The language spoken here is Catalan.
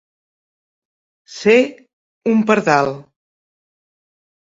Ser un pardal.